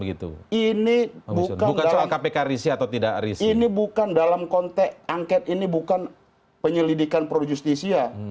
ini bukan dalam konteks angket ini bukan penyelidikan pro justisia